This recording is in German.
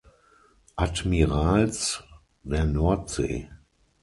Admirals der Nordsee.